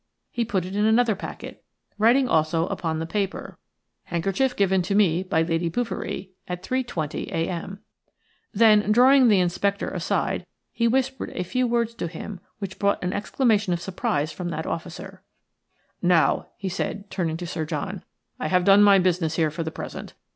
He put it in another packet, writing also upon the paper:– "Handkerchief given to me by Lady Bouverie at 3.20 a.m." Then, drawing the inspector aside, he whispered a few words to him which brought an exclamation of surprise from that officer. "Now," he said, turning to Sir John, "I have done my business here for the present.